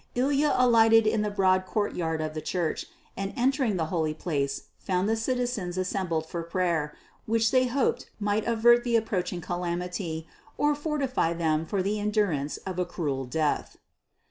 Ilya alighted in the broad courtyard of the church, and entering the holy place found the citizens assembled for prayer, which they hoped might avert the approaching calamity or fortify them for the endurance of a cruel death.